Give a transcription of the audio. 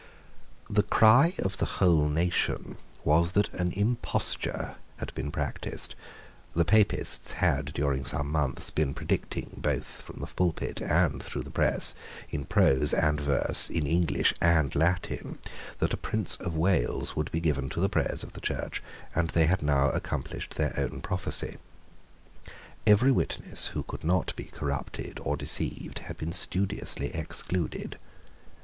The cry of the whole nation was that an imposture bad been practised. Papists had, during some months, been predicting, from, the pulpit and through the press, in prose and verse, in English and Latin, that a Prince of Wales would be given to the prayers of the Church; and they had now accomplished their own prophecy. Every witness who could not be corrupted or deceived had been studiously excluded.